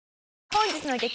本日の激